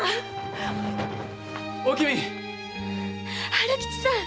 春吉さん！